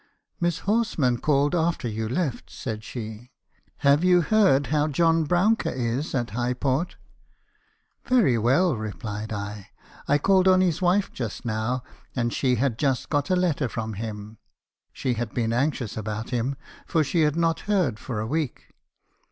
"'Miss Horsman called after you left,' said she. 'Have you heard how John Brouncker is at Highport?' "' Very well,' replied I. " I called on his wife just now , and she had just got a letter from him. She had been anxious about him, for she had not heard for a week.